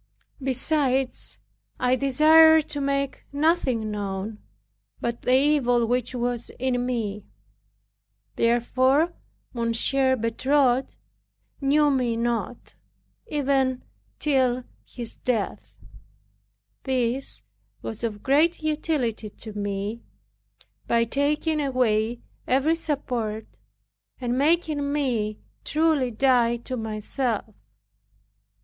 Besides, I desired to make nothing known, but the evil which was in me. Therefore Monsieur Bertot knew me not, even till his death. This was of great utility to me, by taking away every support, and making me truly die to myself.